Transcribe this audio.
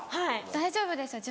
大丈夫ですよ